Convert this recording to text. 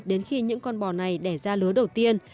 đến khi những con bò này đẻ ra lứa đầu tiên